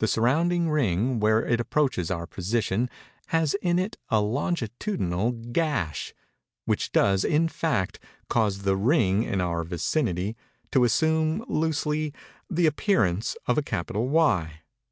The surrounding ring, where it approaches our position, has in it a longitudinal gash, which does, in fact, cause the ring, in our vicinity, to assume, loosely, the appearance of a capital Y.